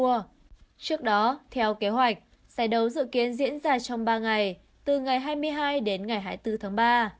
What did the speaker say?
trước đó theo kế hoạch giải đấu dự kiến diễn ra trong ba ngày từ ngày hai mươi hai đến ngày hai mươi bốn tháng ba